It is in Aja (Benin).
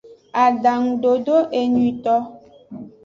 Adangudodo enyuieto.